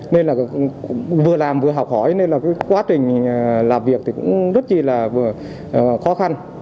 nên là vừa làm vừa học hỏi nên là cái quá trình làm việc thì cũng rất là vừa khó khăn